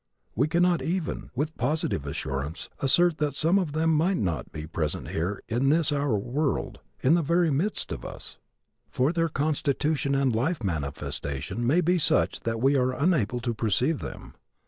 We cannot even, with positive assurance, assert that some of them might not be present here in this our world, in the very midst of us, for their constitution and life manifestation may be such that we are unable to perceive them."